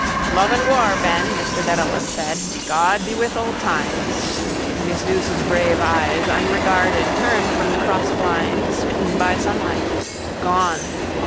—Love and War, Ben, Mr Dedalus said. God be with old times. Miss Douce's brave eyes, unregarded, turned from the crossblind, smitten by sunlight. Gone.